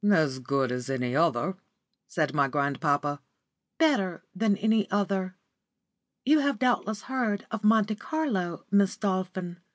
"As good as any other," said my grandpapa. "Better than any other. You have doubtless heard of Monte Carlo, Miss Dolphin?